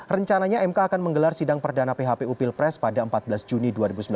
rencananya mk akan menggelar sidang perdana phpu pilpres pada empat belas juni dua ribu sembilan belas